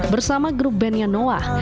bersama grup bandnya noah